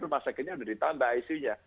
rumah sakitnya sudah ditambah icu nya